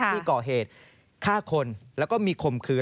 ที่ก่อเหตุฆ่าคนแล้วก็มีข่มขืน